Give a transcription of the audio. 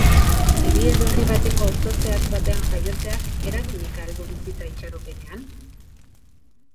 Hiri edo herri bateko auzo zehatz batean jaiotzeak eraginik al du bizitza itxaropenean?